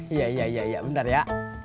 iya iya bentar ya